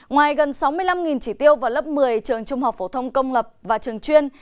ngoài gần sáu mươi năm chỉ tiêu vào lớp một mươi trường trung học phổ thông công lập và trường chuyên